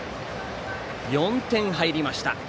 ４点入りました。